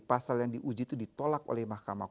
pasal yang diuji itu ditolak oleh mahkamah